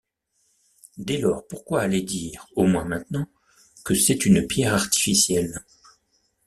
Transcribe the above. Dès lors, pourquoi aller dire, au moins maintenant, que c’est une pierre artificielle?